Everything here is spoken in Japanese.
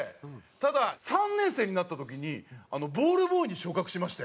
ただ３年生になった時にボールボーイに昇格しまして。